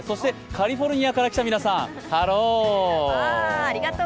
カリフォルニアから来た皆さんハロー！